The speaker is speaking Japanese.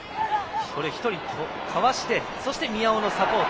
１人かわして宮尾のサポート。